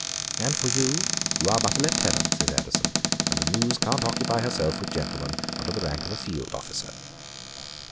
"And for you, you are but a lieutenant," says Addison, "and the Muse can't occupy herself with any gentleman under the rank of a field officer."